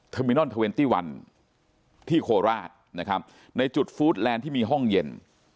มินอนเทอร์เวนตี้วันที่โคราชนะครับในจุดฟู้ดแลนด์ที่มีห้องเย็น